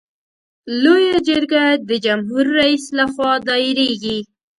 لویه جرګه د جمهور رئیس له خوا دایریږي.